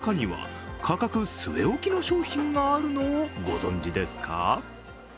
実は中には価格据え置きの商品があるのをご存じですか？